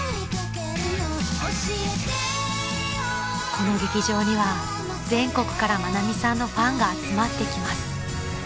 ［この劇場には全国から愛美さんのファンが集まってきます］